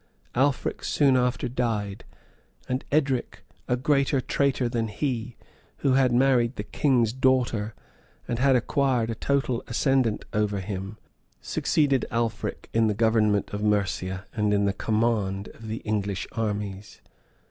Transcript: Alfric soon after died, and Edric, a greater traitor than he, who had married the king's daughter, and had acquired a total ascendant over him, succeeded Alfric in the government of Mercia, and in the command of the English armies.